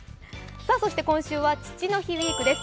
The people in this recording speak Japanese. そして今週は父の日ウイークです。